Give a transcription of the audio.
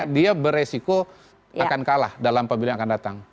dia beresiko akan kalah dalam pemilihan akan datang